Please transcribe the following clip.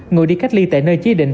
người đi cách ly tại nơi chí định